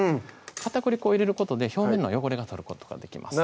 片栗粉を入れることで表面の汚れが取ることができます